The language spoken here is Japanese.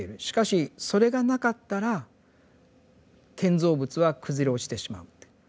しかしそれがなかったら建造物は崩れ落ちてしまうって。